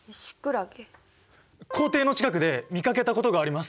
校庭の近くで見かけたことがあります。